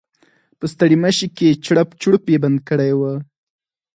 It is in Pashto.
په ستړيمشې کې چړپ چړوپ یې بند کړی و.